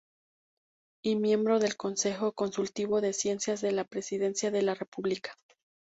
Y miembro del Consejo Consultivo de Ciencias de la Presidencia de la República.